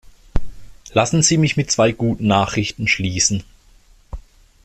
Lassen Sie mich mit zwei guten Nachrichten schließen.